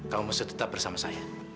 kamu mesti tetap bersama saya